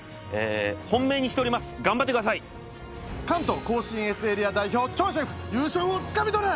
本命にしております頑張ってください関東・甲信越エリア代表シェフ優勝をつかみ取れ！